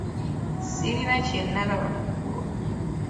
Sirina kye nalaba mu kkubo.